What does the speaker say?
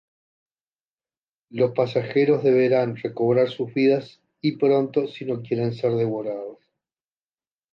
Los pasajeros deberán recobrar sus vidas y pronto si no quieren ser devorados.